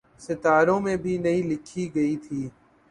ستاروں میں بھی نہیں لکھی گئی تھی۔